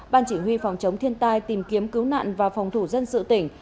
ban chỉ huy phòng chống thiên tai tìm kiếm cứu nạn và phòng thủ dân sự tỉnh